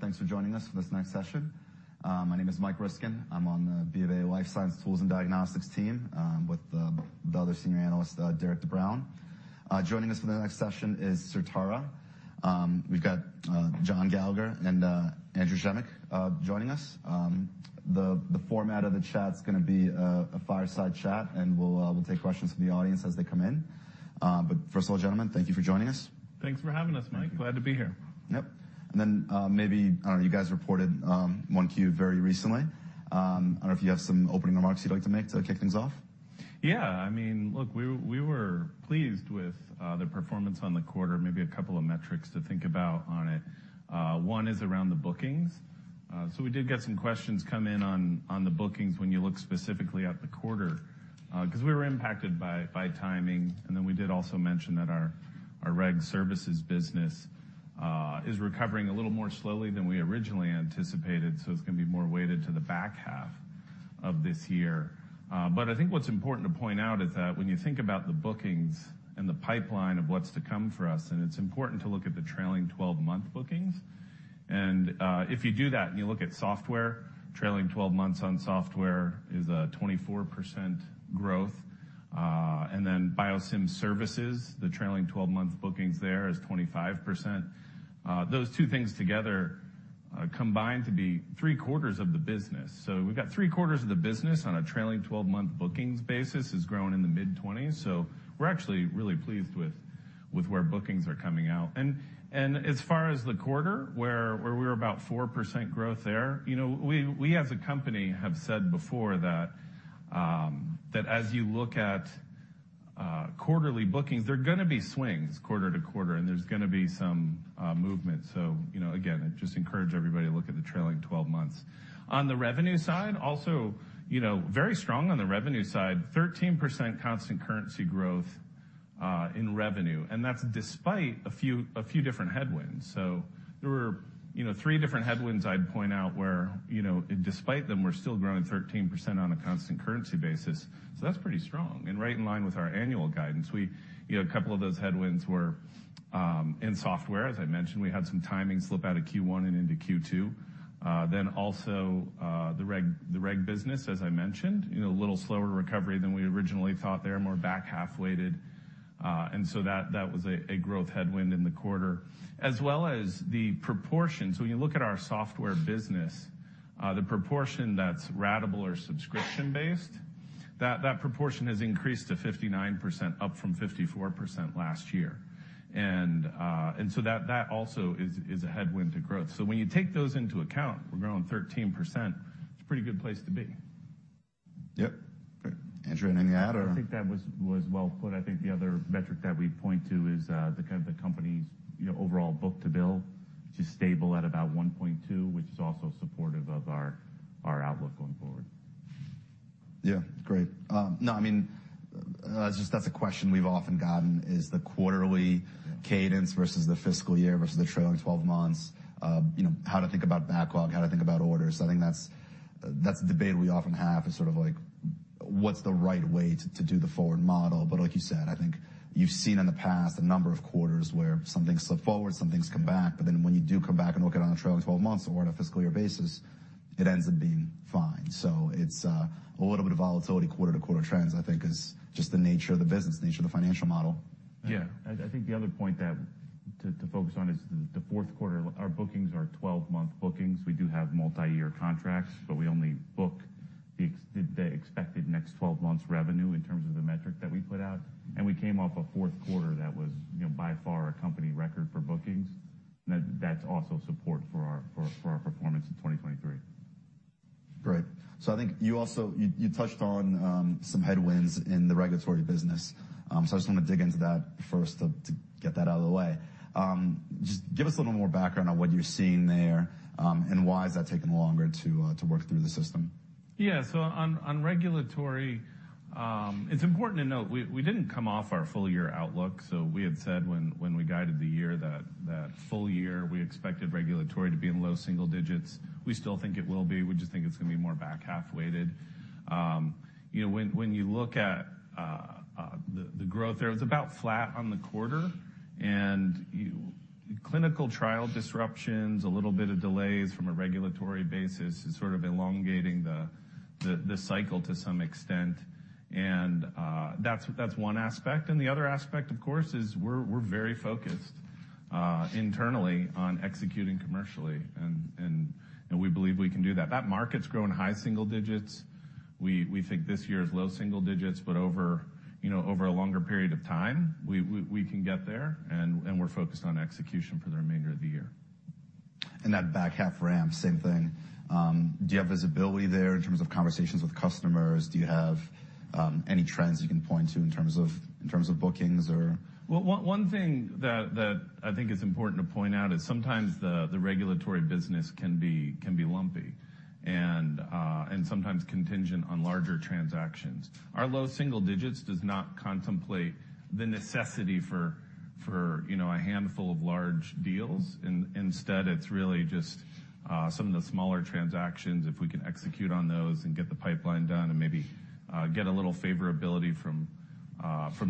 Thanks for joining us for this next session. My name is Mike Riskin. I'm on the BofA Life Science Tools & Diagnostics team, with the other Senior Analyst, Derek Brown. Joining us for the next session is Certara. We've got John Gallagher and Andrew Schemick joining us. The format of the chat's gonna be a fireside chat, and we'll take questions from the audience as they come in. First of all, gentlemen, thank you for joining us. Thanks for having us, Mike. Glad to be here. Yep. Maybe, I don't know, you guys reported, 1Q very recently. I don't know if you have some opening remarks you'd like to make to kick things off. Yeah. I mean, look, we were pleased with the performance on the quarter. Maybe a couple of metrics to think about on it. One is around the bookings. We did get some questions come in on the bookings when you look specifically at the quarter, 'cause we were impacted by timing. We did also mention that our reg services business is recovering a little more slowly than we originally anticipated, so it's gonna be more weighted to the back half of this year. I think what's important to point out is that when you think about the bookings and the pipeline of what's to come for us, and it's important to look at the trailing 12-month bookings. If you do that, and you look at software, trailing twelve months on software is a 24% growth. BioSim services, the trailing twelve-month bookings there is 25%. Those two things together combine to be three quarters of the business. We've got three quarters of the business on a trailing 12 month bookings basis has grown in the mid-20s. We're actually really pleased with where bookings are coming out. As far as the quarter, where we're about 4% growth there, you know, we as a company have said before that as you look at quarterly bookings, there are gonna be swings quarter-to-quarter, and there's gonna be some movement. You know, again, I just encourage everybody to look at the trailing twelve months. On the revenue side, also, you know, very strong on the revenue side. 13% constant currency growth, in revenue, and that's despite a few different headwinds. There were, you know, three different headwinds I'd point out where, you know, despite them, we're still growing 13% on a constant currency basis. That's pretty strong and right in line with our annual guidance. We, you know, a couple of those headwinds were in software, as I mentioned. We had some timing slip out of Q1 and into Q2. Then also, the reg business, as I mentioned, you know, a little slower recovery than we originally thought there, more back half-weighted. That was a growth headwind in the quarter. As well as the proportion. When you look at our software business, the proportion that's ratable or subscription-based, that proportion has increased to 59%, up from 54% last year. That also is a headwind to growth. When you take those into account, we're growing 13%, it's a pretty good place to be. Yep. Great. Andrew, anything to add or? I think that was well put. I think the other metric that we'd point to is, you know, the kind of the company's overall book-to-bill, which is stable at about 1.2, which is also supportive of our outlook going forward. Yeah, great. No, I mean, it's just that's a question we've often gotten, is the quarterly cadence versus the fiscal year versus the trailing twelve months. You know, how to think about backlog, how to think about orders. I think that's a debate we often have, is sort of like, what's the right way to do the forward model? Like you said, I think you've seen in the past a number of quarters where some things slip forward, some things come back, but then when you do come back and look at it on a trailing twelve months or on a fiscal year basis, it ends up being fine. It's a little bit of volatility quarter-to-quarter trends, I think is just the nature of the business, nature of the financial model. Yeah. I think the other point to focus on is the fourth quarter, our bookings are 12-month bookings. We do have multi-year contracts, but we only book the expected next 12 months revenue in terms of the metric that we put out. We came off a fourth quarter that was, you know, by far our company record for bookings. That's also support for our performance in 2023. Great. I think you also touched on some headwinds in the regulatory business. I just wanna dig into that first to get that out of the way. Just give us a little more background on what you're seeing there and why has that taken longer to work through the system. Yeah. On regulatory, it's important to note we didn't come off our full year outlook. We had said when we guided the year that full year we expected regulatory to be in low single digits. We still think it will be. We just think it's gonna be more back half-weighted. You know, when you look at the growth there, it's about flat on the quarter. Clinical trial disruptions, a little bit of delays from a regulatory basis is sort of elongating the cycle to some extent. That's one aspect. The other aspect, of course, is we're very focused internally on executing commercially. We believe we can do that. That market's grown high single digits. We think this year is low single digits. Over, you know, over a longer period of time, we can get there and we're focused on execution for the remainder of the year. That back half ramp, same thing. Do you have visibility there in terms of conversations with customers? Do you have any trends you can point to in terms of bookings or? One thing that I think is important to point out is sometimes the regulatory business can be lumpy and sometimes contingent on larger transactions. Our low single digits does not contemplate the necessity for, you know, a handful of large deals. Instead, it's really just some of the smaller transactions, if we can execute on those and get the pipeline done and maybe get a little favorability from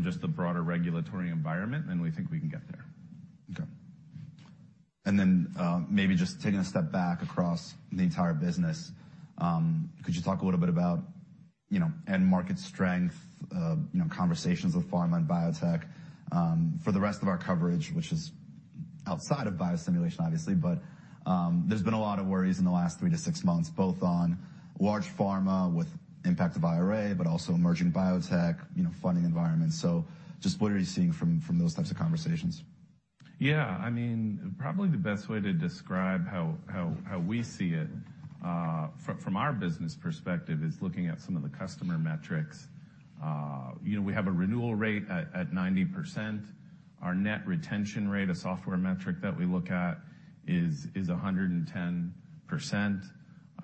just the broader regulatory environment, then we think we can get there. Okay. Then, maybe just taking a step back across the entire business, could you talk a little bit about, you know, end market strength, you know, conversations with pharma and biotech, for the rest of our coverage, which is outside of biosimulation, obviously, but, there's been a lot of worries in the last 3 to 6 months, both on large pharma with impact of IRA but also emerging biotech, you know, funding environment? Just what are you seeing from those types of conversations? Yeah. I mean, probably the best way to describe how we see it from our business perspective is looking at some of the customer metrics. You know, we have a renewal rate at 90%. Our net retention rate, a software metric that we look at, is 110%.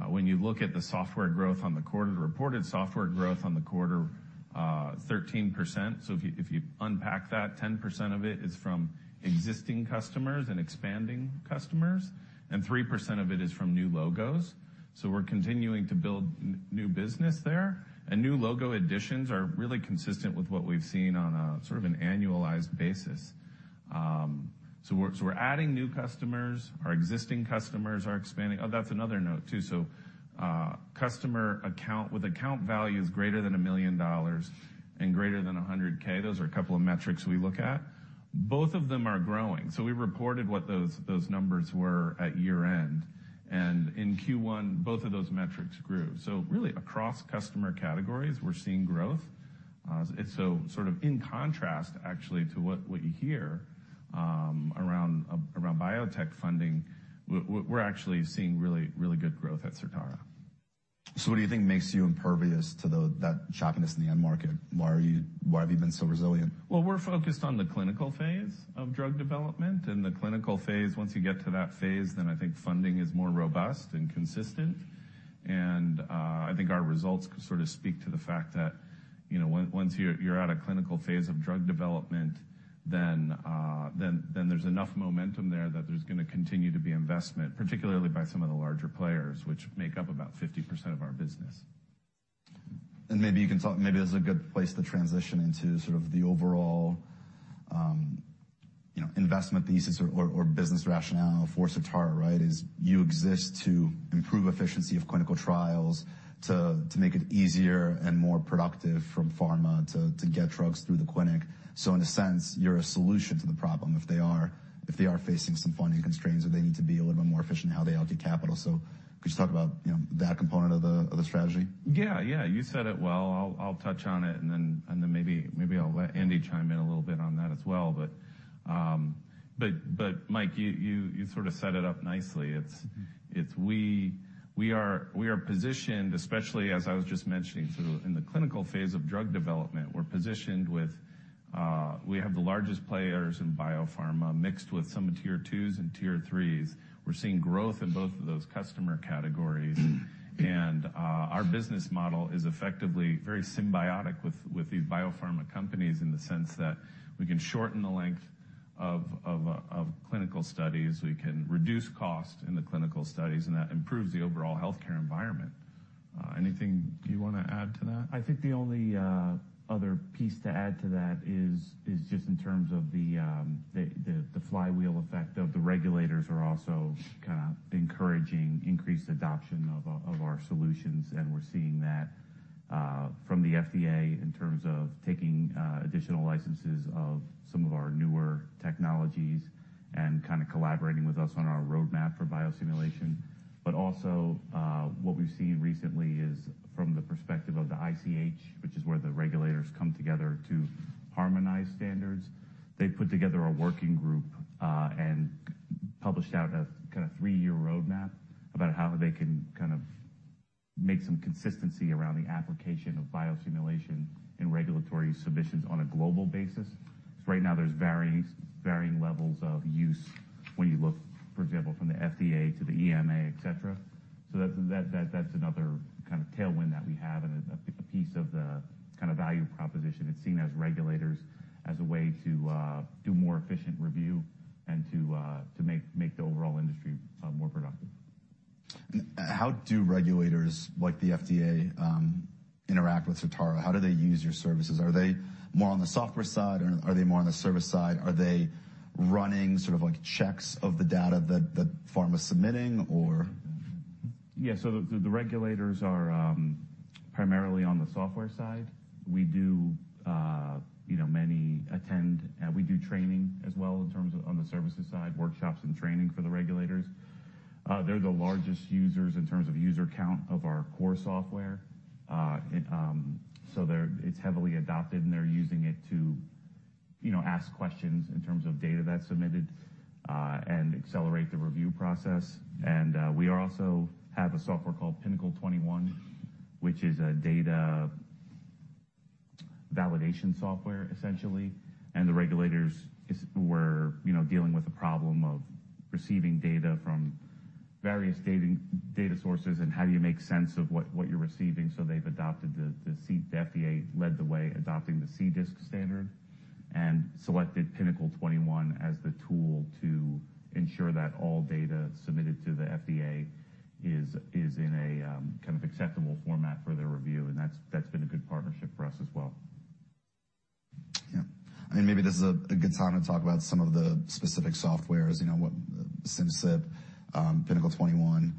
When you look at the software growth, the reported software growth on the quarter, 13%. If you unpack that, 10% of it is from existing customers and expanding customers, and 3% of it is from new logos. We're continuing to build new business there, and new logo additions are really consistent with what we've seen on a sort of an annualized basis. We're adding new customers. Our existing customers are expanding. Oh, that's another note too. Customer account with account values greater than $1 million and greater than $100K, those are a couple of metrics we look at. Both of them are growing, we reported what those numbers were at year-end. In Q1, both of those metrics grew. Really across customer categories, we're seeing growth. It's sort of in contrast actually to what you hear around biotech funding. We're actually seeing really, really good growth at Certara. What do you think makes you impervious to that choppiness in the end market? Why have you been so resilient? We're focused on the clinical phase of drug development. In the clinical phase, once you get to that phase, then I think funding is more robust and consistent. I think our results sort of speak to the fact that, you know, once you're at a clinical phase of drug development, then there's enough momentum there that there's gonna continue to be investment, particularly by some of the larger players, which make up about 50% of our business. Maybe this is a good place to transition into sort of the overall, you know, investment thesis or business rationale for Certara, right? Is you exist to improve efficiency of clinical trials to make it easier and more productive from pharma to get drugs through the clinic. In a sense, you're a solution to the problem if they are facing some funding constraints or they need to be a little bit more efficient in how they allocate capital. Could you talk about, you know, that component of the, of the strategy? Yeah. Yeah. You said it well. I'll touch on it, and then maybe I'll let Andy chime in a little bit on that as well. Mike, you sort of set it up nicely. It's we are positioned, especially as I was just mentioning, so in the clinical phase of drug development, we're positioned with. We have the largest players in biopharma mixed with some of tier twos and tier threes. We're seeing growth in both of those customer categories. Our business model is effectively very symbiotic with these biopharma companies in the sense that we can shorten the length of clinical studies, we can reduce cost in the clinical studies, and that improves the overall healthcare environment. Anything do you wanna add to that? I think the only other piece to add to that is just in terms of the flywheel effect of the regulators are also kind of encouraging increased adoption of our solutions, and we're seeing that from the FDA in terms of taking additional licenses of some of our newer technologies and kind of collaborating with us on our roadmap for biosimulation. Also, what we've seen recently is from the perspective of the ICH, which is where the regulators come together to harmonize standards. They put together a working group and published out a kind of three-year roadmap about how they can kind of make some consistency around the application of biosimulation in regulatory submissions on a global basis. Right now there's varying levels of use when you look, for example, from the FDA to the EMA, et cetera. That's another kind of tailwind that we have and a piece of the kind of value proposition. It's seen as regulators as a way to do more efficient review and to make the overall industry more productive. How do regulators like the FDA interact with Certara? How do they use your services? Are they more on the software side, or are they more on the service side? Are they running sort of like checks of the data that pharma's submitting or... Yeah. The, the regulators are primarily on the software side. We do, you know, training as well in terms of on the services side, workshops and training for the regulators. They're the largest users in terms of user count of our core software. It's heavily adopted, and they're using it to, you know, ask questions in terms of data that's submitted and accelerate the review process. We also have a software called Pinnacle 21, which is a data validation software essentially. The regulators were, you know, dealing with a problem of receiving data from various data sources and how do you make sense of what you're receiving. The FDA led the way adopting the CDISC standard and selected Pinnacle 21 as the tool to ensure that all data submitted to the FDA is in a kind of acceptable format for their review. That's been a good partnership for us as well. Yeah. I mean, maybe this is a good time to talk about some of the specific softwares, you know, what Simcyp, Pinnacle 21,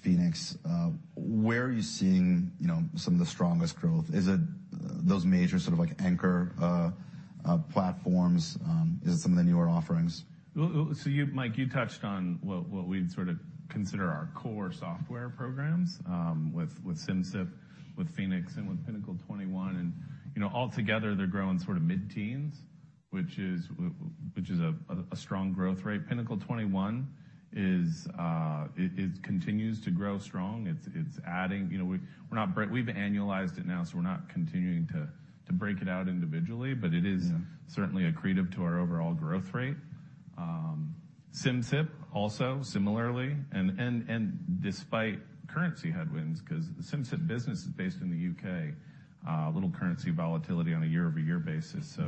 Phoenix, where are you seeing, you know, some of the strongest growth? Is it those major sort of like anchor platforms, is it some of the newer offerings? Mike, you touched on what we'd sort of consider our core software programs, with Simcyp, with Phoenix, and with Pinnacle21. You know, all together, they're growing sort of mid-teens, which is a strong growth rate. Pinnacle21 is, it continues to grow strong. It's adding. You know, we've annualized it now, so we're not continuing to break it out individually. Yeah. It is certainly accretive to our overall growth rate. Simcyp also similarly, and despite currency headwinds, 'cause Simcyp business is based in the UK, a little currency volatility on a year-over-year basis.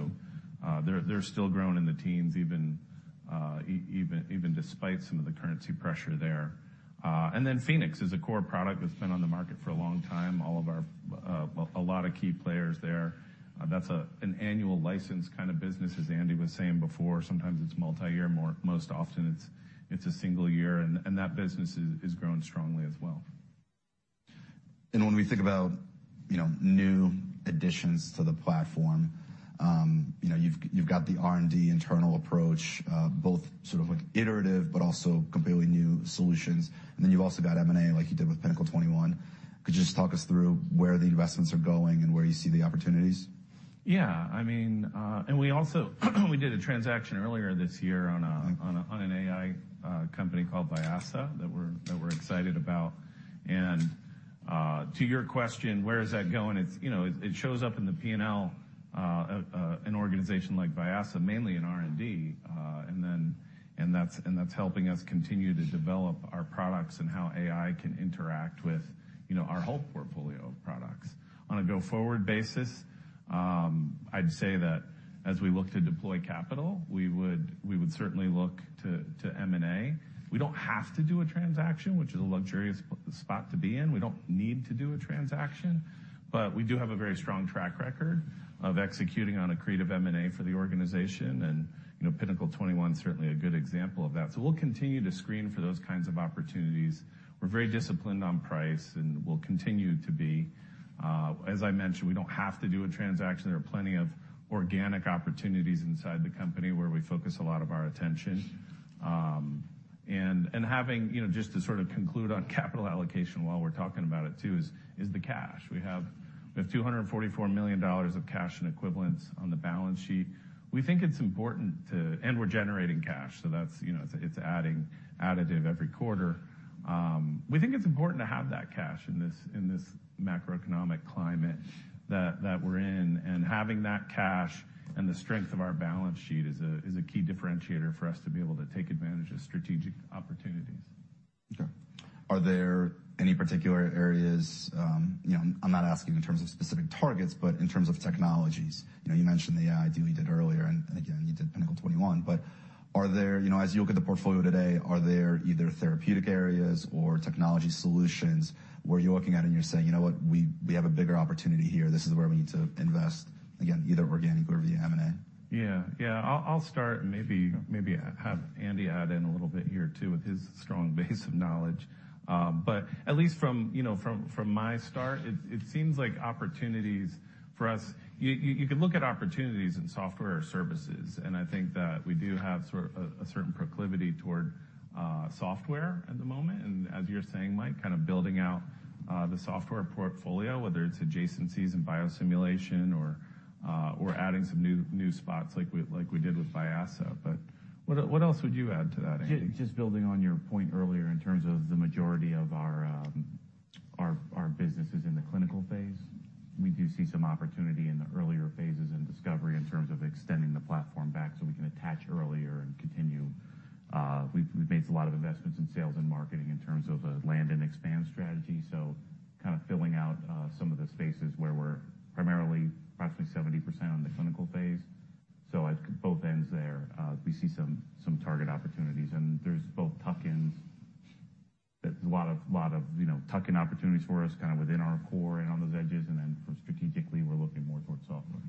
They're still growing in the teens even despite some of the currency pressure there. Phoenix is a core product that's been on the market for a long time. All of our, a lot of key players there. That's an annual license kind of business, as Andy was saying before. Sometimes it's multi-year. Most often, it's a single year, and that business is growing strongly as well. When we think about, you know, new additions to the platform, you know, you've got the R&D internal approach, both sort of like iterative but also completely new solutions. Then you've also got M&A like you did with Pinnacle 21. Could you just talk us through where the investments are going and where you see the opportunities? Yeah, I mean, we also did a transaction earlier this year. On an AI company called Vyasa that we're excited about. To your question, where is that going? It's, you know, it shows up in the P&L, an organization like Vyasa, mainly in R&D, and that's helping us continue to develop our products and how AI can interact with, you know, our whole portfolio of products. On a go-forward basis, I'd say that as we look to deploy capital, we would certainly look to M&A. We don't have to do a transaction, which is a luxurious spot to be in. We don't need to do a transaction, we do have a very strong track record of executing on accretive M&A for the organization. You know, Pinnacle 21 is certainly a good example of that. We'll continue to screen for those kinds of opportunities. We're very disciplined on price, and we'll continue to be. As I mentioned, we don't have to do a transaction. There are plenty of organic opportunities inside the company, where we focus a lot of our attention. And having, you know, just to sort of conclude on capital allocation while we're talking about it too, is the cash. We have $244 million of cash and equivalents on the balance sheet. We're generating cash, that's, you know, it's adding additive every quarter. We think it's important to have that cash in this macroeconomic climate that we're in. Having that cash and the strength of our balance sheet is a key differentiator for us to be able to take advantage of strategic opportunities. Okay. Are there any particular areas, you know, I'm not asking in terms of specific targets, but in terms of technologies. You know, you mentioned the AI deal you did earlier, you did Pinnacle 21. Are there, you know, as you look at the portfolio today, are there either therapeutic areas or technology solutions where you're looking at and you're saying, "You know what? We, we have a bigger opportunity here. This is where we need to invest," again, either organic or via M&A? Yeah. Yeah. I'll start. Yeah. Maybe have Andy add in a little bit here too with his strong base of knowledge. At least from, you know, from my start, it seems like opportunities for us... You can look at opportunities in software or services, and I think that we do have sort of a certain proclivity toward software at the moment, and as you're saying, Mike, kind of building out the software portfolio, whether it's adjacencies in biosimulation or adding some new spots like we, like we did with Vyasa. What else would you add to that, Andy? Just building on your point earlier in terms of the majority of our business is in the clinical phase. We do see some opportunity in the earlier phases in discovery in terms of extending the platform back so we can attach earlier and continue. We've made a lot of investments in sales and marketing in terms of a land and expand strategy. Kinda filling out some of the spaces where we're primarily approximately 70% on the clinical phase. At both ends there, we see some target opportunities. There's both tuck-ins. There's a lot of, you know, tuck-in opportunities for us kind of within our core and on those edges, and then from strategically, we're looking more towards software.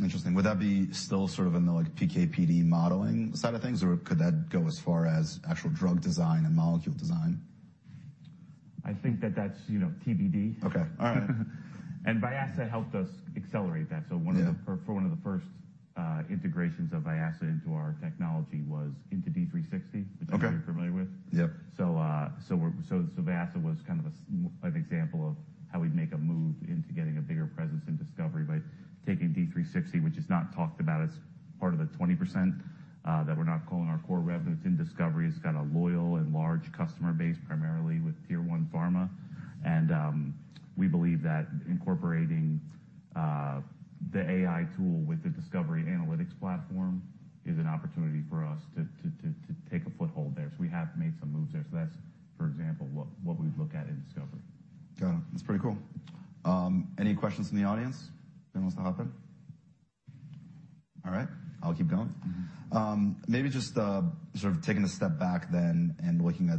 Interesting. Would that be still sort of in the, like, PK/PD modeling side of things, or could that go as far as actual drug design and molecule design? I think that that's, you know, TBD. Okay. All right. Vyasa helped us accelerate that. Yeah. For one of the first integrations of Vyasa into our technology was into D360. Okay. Which I know you're familiar with. Yep. Vyasa was kind of an example of how we'd make a move into getting a bigger presence in discovery by taking D360, which is not talked about as part of the 20%, that we're not calling our core revenue. It's in discovery. It's got a loyal and large customer base, primarily with tier one pharma. We believe that incorporating the AI tool with the discovery analytics platform is an opportunity for us to take a foothold there. We have made some moves there. That's, for example, what we'd look at in discovery. Got it. That's pretty cool. Any questions from the audience? Demosthenes Haptou? I'll keep going. Maybe just, sort of taking a step back then and looking at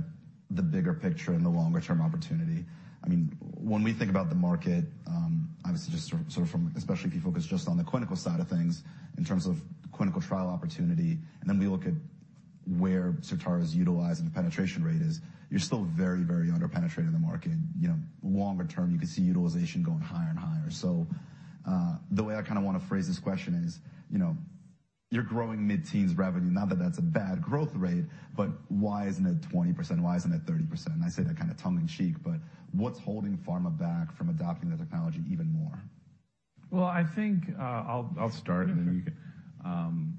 the bigger picture and the longer-term opportunity. When we think about the market, obviously just sort of especially if you focus just on the clinical side of things in terms of clinical trial opportunity, and then we look at where Certara is utilized and the penetration rate is, you're still very, very under-penetrated in the market. You know, longer term, you could see utilization going higher and higher. The way I kinda wanna phrase this question is, you know, you're growing mid-teens revenue. Not that that's a bad growth rate, but why isn't it 20%? Why isn't it 30%? I say that kind of tongue in cheek, but what's holding pharma back from adopting the technology even more? Well, I think, I'll start and then you can.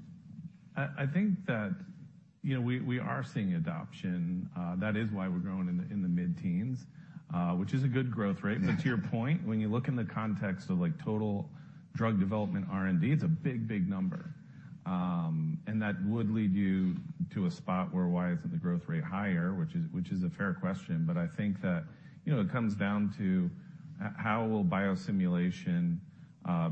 I think that, you know, we are seeing adoption. That is why we're growing in the, in the mid-teens, which is a good growth rate. To your point, when you look in the context of like total drug development R&D, it's a big, big number. And that would lead you to a spot where why isn't the growth rate higher, which is a fair question. I think that, you know, it comes down to how will biosimulation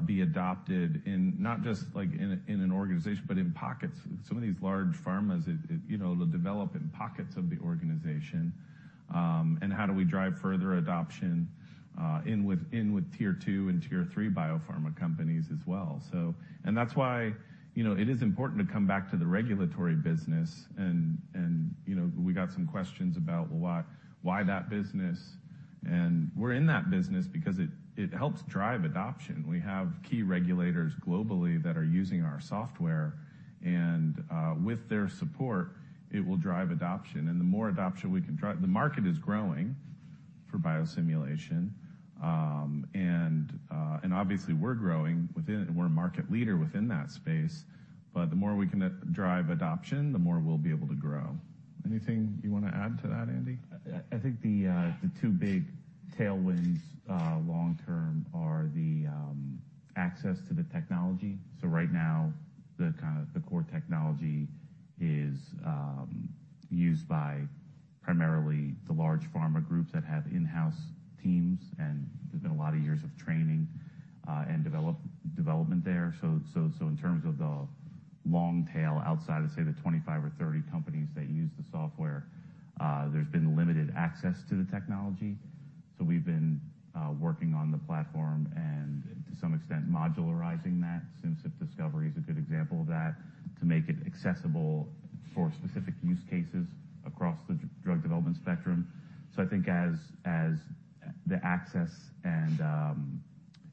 be adopted in not just like in a, in an organization, but in pockets. Some of these large pharmas it, you know, it'll develop in pockets of the organization. How do we drive further adoption, in with tier two and tier three biopharma companies as well? That's why, you know, it is important to come back to the regulatory business and, you know, we got some questions about why that business. We're in that business because it helps drive adoption. We have key regulators globally that are using our software and with their support, it will drive adoption. The market is growing for biosimulation, and obviously we're growing within it, and we're a market leader within that space. The more we can drive adoption, the more we'll be able to grow. Anything you wanna add to that, Andy? I think the two big tailwinds long term are the access to the technology. Right now the kind of, the core technology is used by primarily the large pharma groups that have in-house teams, and there's been a lot of years of training and development there. In terms of the long tail outside of, say, the 25 or 30 companies that use the software, there's been limited access to the technology. We've been working on the platform and to some extent modularizing that. Simcyp Discovery is a good example of that, to make it accessible for specific use cases across the drug development spectrum. I think as the access and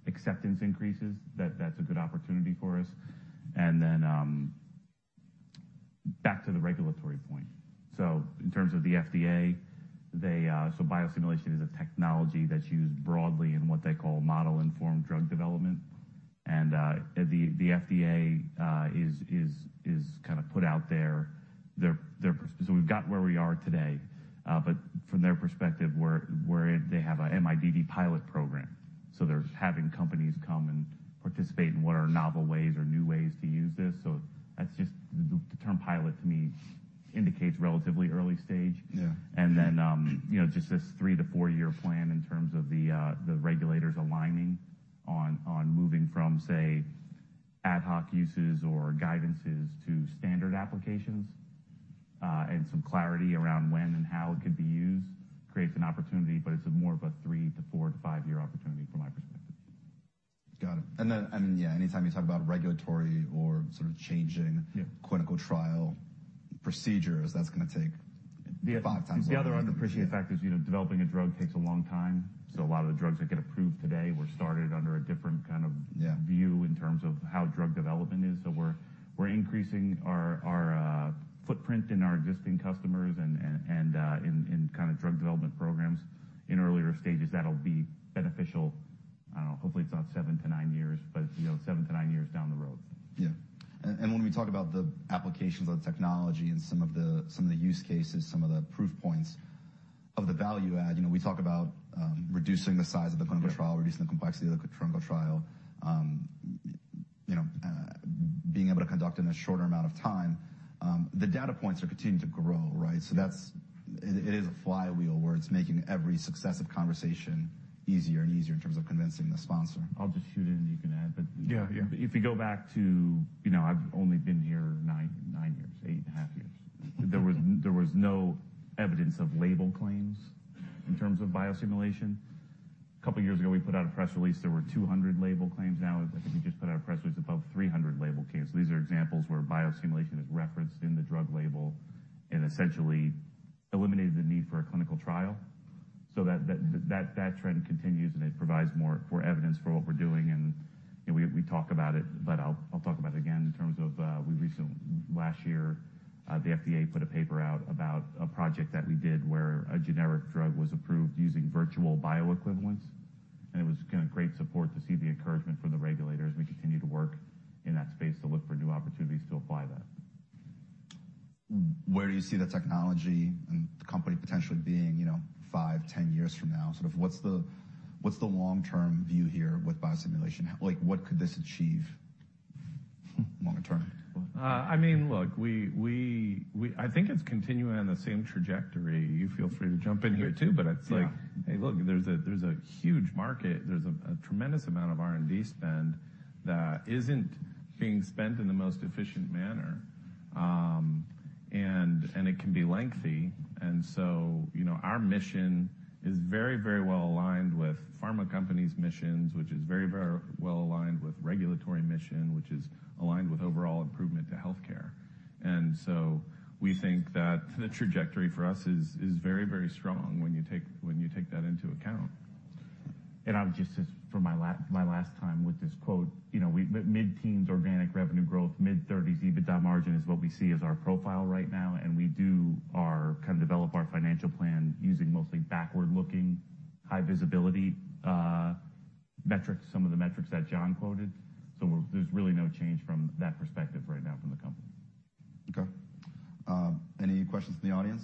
acceptance increases, that's a good opportunity for us. Then back to the regulatory point. In terms of the FDA, biosimulation is a technology that's used broadly in what they call model-informed drug development. The FDA is kinda put out there. We've got where we are today, but from their perspective, they have an MIDD pilot program, so they're having companies come and participate in what are novel ways or new ways to use this. That's just the term pilot to me indicates relatively early stage. Yeah. You know, just this 3- to 4-year plan in terms of the regulators aligning on moving from, say, ad hoc uses or guidances to standard applications, and some clarity around when and how it could be used creates an opportunity, but it's more of a 3- to 4- to 5-year opportunity from my perspective. Got it. Then, I mean, yeah, anytime you talk about regulatory or sort of changing... Yeah. Clinical trial procedures, that's gonna take five times longer. The other unappreciated factor is, you know, developing a drug takes a long time, so a lot of the drugs that get approved today were started under a different. Yeah. view in terms of how drug development is. We're increasing our footprint in our existing customers and in kind of drug development programs in earlier stages. That'll be beneficial, I don't know, hopefully it's not seven to nine years, but, you know, seven to nine years down the road. Yeah. When we talk about the applications of the technology and some of the, some of the use cases, some of the proof points of the value add, you know, we talk about reducing the size of the clinical trial, reducing the complexity of the clinical trial, you know, being able to conduct in a shorter amount of time. The data points are continuing to grow, right? It is a flywheel where it's making every successive conversation easier and easier in terms of convincing the sponsor. I'll just shoot in, and you can add. Yeah, yeah. If you go back to, you know, I've only been here nine years, eight and a half years. There was no evidence of label claims in terms of biosimulation. A couple years ago, we put out a press release, there were 200 label claims. Now I think we just put out a press release above 300 label claims. These are examples where biosimulation is referenced in the drug label and essentially eliminated the need for a clinical trial. That trend continues and it provides more, more evidence for what we're doing. You know, we talk about it, but I'll talk about it again in terms of Last year, the FDA put a paper out about a project that we did where a generic drug was approved using virtual bioequivalence, and it was, again, great support to see the encouragement from the regulators. We continue to work in that space to look for new opportunities to apply that. Where do you see the technology and the company potentially being, you know, 5, 10 years from now? Sort of what's the long-term view here with biosimulation? Like, what could this achieve long term? I mean, look, we think it's continuing on the same trajectory. You feel free to jump in here too, but it's like, hey, look, there's a, there's a huge market, there's a tremendous amount of R&D spend that isn't being spent in the most efficient manner. It can be lengthy. You know, our mission is very, very well aligned with pharma companies' missions, which is very, very well aligned with regulatory mission, which is aligned with overall improvement to healthcare. We think that the trajectory for us is very, very strong when you take that into account. I'll just say for my last, my last time with this quote, you know, mid-teens organic revenue growth, mid-thirties EBITDA margin is what we see as our profile right now. We kind of develop our financial plan using mostly backward-looking, high-visibility metrics, some of the metrics that John quoted. There's really no change from that perspective right now from the company. Okay. Any questions from the audience?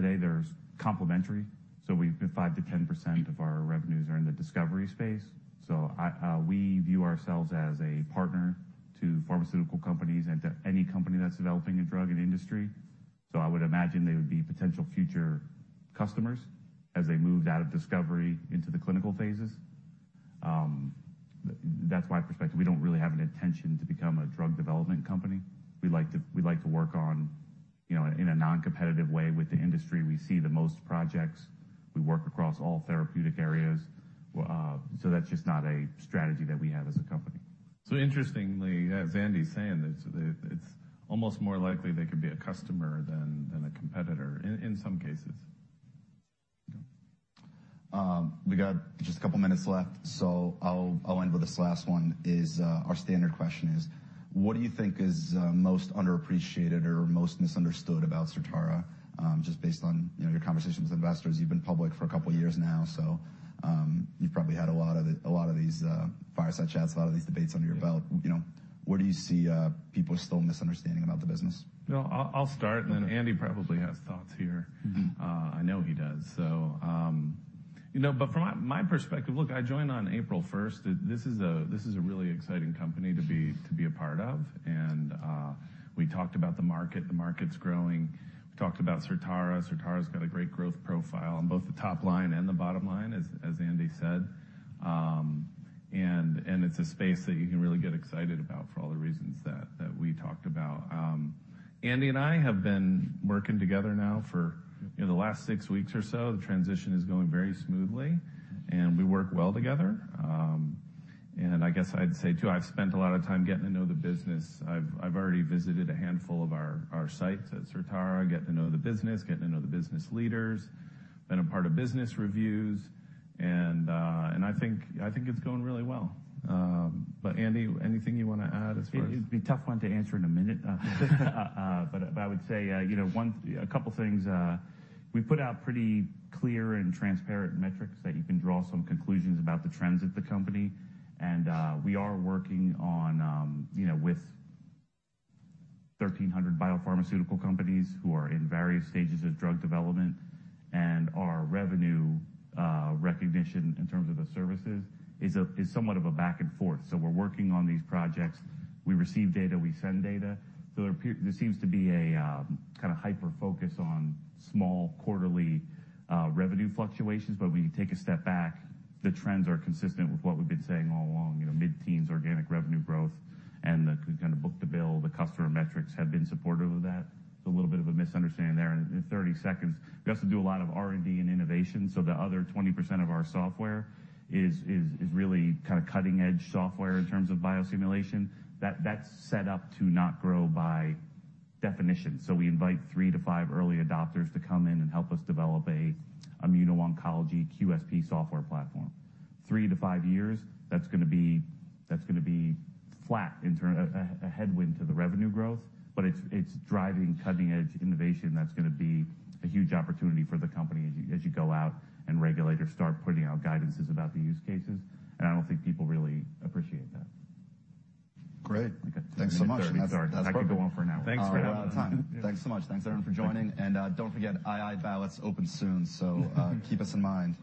built today, they're complementary. We 5% to 10% of our revenues are in the discovery space. I view ourselves as a partner to pharmaceutical companies and to any company that's developing a drug in the industry. I would imagine they would be potential future customers as they moved out of discovery into the clinical phases. That's my perspective. We don't really have an intention to become a drug development company. We like to work on, you know, in a non-competitive way with the industry. We see the most projects. We work across all therapeutic areas, so that's just not a strategy that we have as a company. Interestingly, as Andy is saying, it's almost more likely they could be a customer than a competitor in some cases. We got just a couple of minutes left, so I'll end with this last one, is, our standard question is, what do you think is most underappreciated or most misunderstood about Certara, just based on, you know, your conversation with investors? You've been public for a couple of years now, so, you've probably had a lot of these fireside chats, a lot of these debates under your belt. You know, what do you see, people still misunderstanding about the business? No, I'll start, and then Andy probably has thoughts here. I know he does. You know, from my perspective, look, I joined on April 1st. This is a really exciting company to be a part of. We talked about the market. The market's growing. We talked about Certara. Certara's got a great growth profile on both the top line and the bottom line, as Andy said. It's a space that you can really get excited about for all the reasons that we talked about. Andy and I have been working together now for, you know, the last six weeks or so. The transition is going very smoothly, and we work well together. I guess I'd say, too, I've spent a lot of time getting to know the business. I've already visited a handful of our sites at Certara, getting to know the business, getting to know the business leaders, been a part of business reviews. I think it's going really well. Andy, anything you wanna add as far as. It'd be a tough one to answer in a minute. I would say, you know, a couple of things. We put out pretty clear and transparent metrics that you can draw some conclusions about the trends of the company. We are working on, you know, with 1,300 biopharmaceutical companies who are in various stages of drug development. Our revenue recognition in terms of the services is somewhat of a back and forth. We're working on these projects. We receive data, we send data. There seems to be a kinda hyper-focus on small quarterly revenue fluctuations. When you take a step back, the trends are consistent with what we've been saying all along. You know, mid-teens organic revenue growth and the kind of book-to-bill, the customer metrics have been supportive of that. It's a little bit of a misunderstanding there. In 30 seconds, we also do a lot of R&D and innovation, so the other 20% of our software is really kinda cutting-edge software in terms of biosimulation. That's set up to not grow by definition. We invite 3 to 5 early adopters to come in and help us develop a immuno-oncology QSP software platform. 3 to 5 years, that's gonna be flat a headwind to the revenue growth, but it's driving cutting-edge innovation that's gonna be a huge opportunity for the company as you go out and regulators start putting out guidances about the use cases. I don't think people really appreciate that. Great. Thanks so much. I could go on for an hour. Thanks for having us. We're out of time. Thanks so much. Thanks everyone for joining. Don't forget, II ballot's open soon, so keep us in mind.